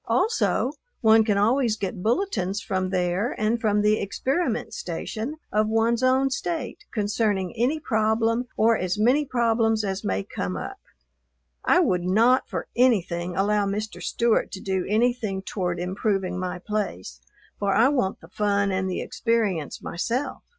Also one can always get bulletins from there and from the Experiment Station of one's own State concerning any problem or as many problems as may come up. I would not, for anything, allow Mr. Stewart to do anything toward improving my place, for I want the fun and the experience myself.